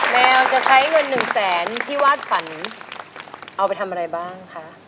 แมวจะใช้เงินหนึ่งแสนที่วาดฝันเอาไปทำอะไรบ้างคะ